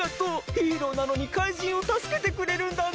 ヒーローなのにかいじんをたすけてくれるんだね。